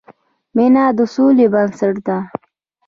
مینه د سولې بنسټ ده.